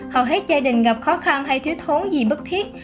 hầu hết gia đình gặp khó khăn hay thiếu thốn gì bất thiết